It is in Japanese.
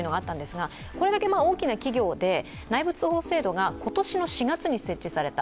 これだけ大きな制度で内部通報制度が今年の４月に設置された、